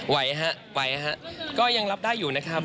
ไหวฮะไหวนะฮะก็ยังรับได้อยู่นะครับ